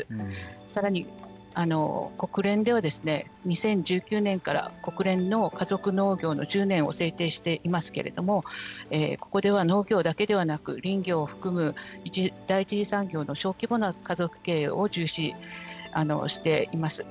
さらに、国連では２０１９年から国連の家族農業の１０年を制定していますけれどもここでは農業だけではなく林業を含む第一次産業の小規模な家族経営を重視しています。